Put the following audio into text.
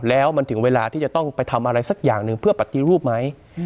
แล้วมันถึงเวลาที่จะต้องไปทำอะไรสักอย่างหนึ่งเพื่อปฏิรูปไหม